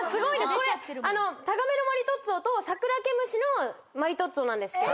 これタガメのマリトッツォとサクラケムシのマリトッツォなんですけど。